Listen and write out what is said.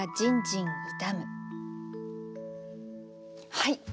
はい。